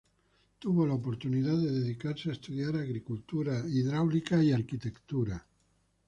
Tuvo la oportunidad de dedicarse a estudiar agricultura, hidráulica y arquitectura.